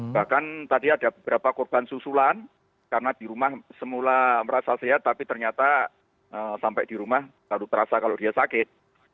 bahkan tadi ada beberapa korban susulan karena di rumah semula merasa sehat tapi ternyata sampai di rumah selalu terasa kalau dia sakit